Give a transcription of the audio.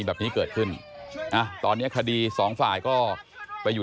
อย่าอย่าอย่าอย่าอย่าอย่าอย่าอย่าอย่าอย่า